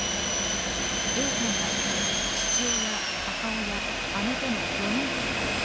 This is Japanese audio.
Ａさんは父親、母親、姉との４人家族。